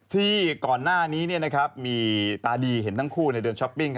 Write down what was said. ที่ก่อนหน้านี้เนี่ยนะครับมีตาดีเห็นทั้งคู่ในเดือนช้อปปิ้ง